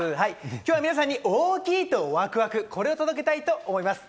今日は皆さんに大きいとワクワク、これを届けたいと思います。